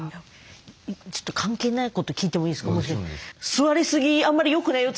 ちょっと関係ないこと聞いてもいいですか？